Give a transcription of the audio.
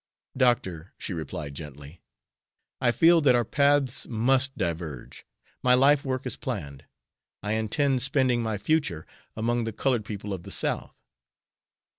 "Doctor," she replied, gently, "I feel that our paths must diverge. My life work is planned. I intend spending my future among the colored people of the South."